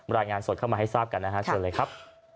รายงานสดเข้ามาให้ทราบกันนะฮะเชิญเลยครับ